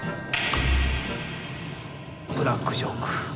ブラックジョーク。